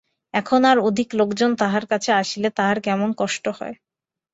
এখন আর অধিক লোকজন তাহার কাছে আসিলে তাহার কেমন কষ্ট হয়।